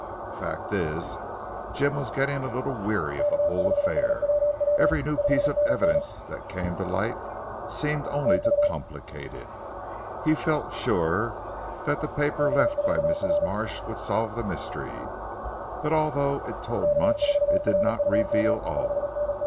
The fact is Jim was getting a little weary of the whole affair. Every new piece of evidence that came to light seemed only to complicate it. He had felt sure that the paper left by Mrs. Marsh would solve the mystery; but although it told much it did not reveal all.